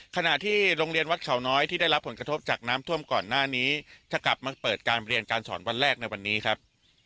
ขณะที่โรงเรียนวัดเขาน้อยที่ได้รับผลกระทบจากน้ำท่วมก่อนหน้านี้จะกลับมาเปิดการเรียนการสอนวันแรกในวันนี้ครับ